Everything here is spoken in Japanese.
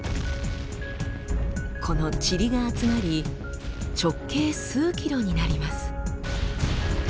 このチリが集まり直径数ｋｍになります。